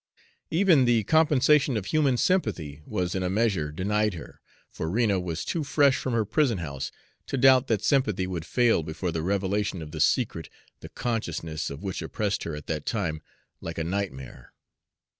Even the compensation of human sympathy was in a measure denied her, for Rena was too fresh from her prison house to doubt that sympathy would fail before the revelation of the secret the consciousness of which oppressed her at that time like a nightmare.